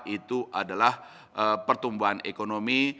itu adalah pertumbuhan ekonomi